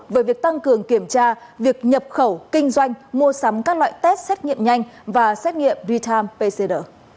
với việc tăng cường kiểm tra việc nhập khẩu kinh doanh mua sắm các loại test xét nghiệm nhanh và xét nghiệm retime pcr